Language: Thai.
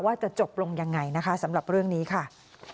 ว่าจะจบลงยังไงนะคะสำหรับเรื่องนี้ค่ะ